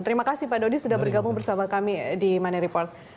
terima kasih pak dodi sudah bergabung bersama kami di money report